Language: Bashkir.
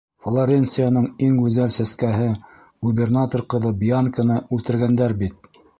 Флоренцияның иң гүзәл сәскәһе, губернатор ҡыҙы Бианканы үлтергәндәр бит!